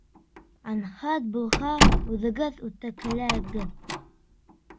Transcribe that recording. Анһат булһа, үҙегеҙ үтекләгеҙ.